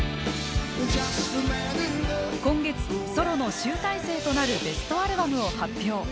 今月ソロの集大成となるベストアルバムを発表。